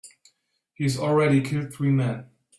He's already killed three men.